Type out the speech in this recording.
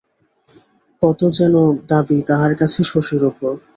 কত যেন দাবি তাহার কাছে শশীর উপর।